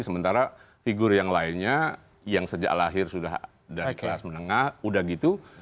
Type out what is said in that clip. sementara figur yang lainnya yang sejak lahir sudah dari kelas menengah udah gitu